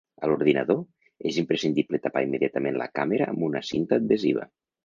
A l’ordinador, és imprescindible tapar immediatament la càmera amb una cinta adhesiva.